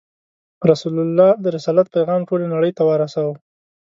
رسول الله د رسالت پیغام ټولې نړۍ ته ورساوه.